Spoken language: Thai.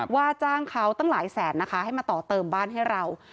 ว่าจ้างเขาตั้งหลายแสนนะคะให้มาต่อเติมบ้านให้เรา